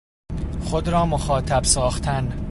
خود را مخاطب ساختن